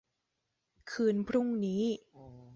คืนพรุ่งนี้